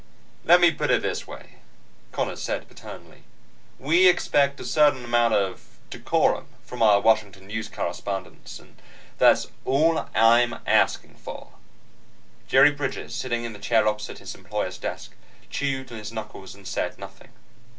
_ "Let me put it this way," Conners said paternally. "We expect a certain amount of decorum from our Washington news correspondents, and that's all I'm asking for." Jerry Bridges, sitting in the chair opposite his employer's desk, chewed on his knuckles and said nothing.